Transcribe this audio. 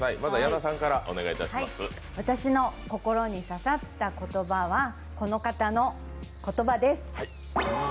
私の心に刺さった言葉はこの方の言葉です。